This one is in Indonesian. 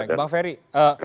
baik bang ferry